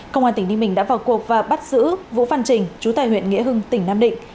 công an tỉnh ninh bình đã vào cuộc và bắt giữ vũ văn trình chú tại huyện nghĩa hưng tỉnh nam định